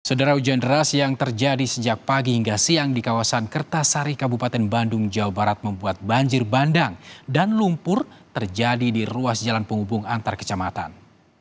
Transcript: sedera hujan deras yang terjadi sejak pagi hingga siang di kawasan kertasari kabupaten bandung jawa barat membuat banjir bandang dan lumpur terjadi di ruas jalan penghubung antar kecamatan